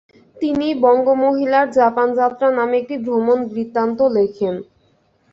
তিনি 'বঙ্গমহিলার জাপান যাত্রা' নামে একটি ভ্রমণ বৃত্তান্ত লেখেন।